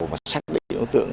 và xác định đối tượng